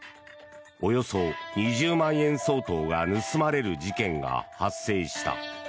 およそ２０万円相当が盗まれる事件が発生した。